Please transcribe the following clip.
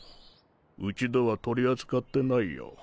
うちでは取り扱ってないよ。